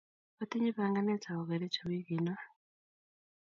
Atinye panganet awo Kericho wigii no.